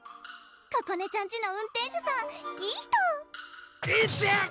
ここねちゃんちの運転手さんいい人・イテッ！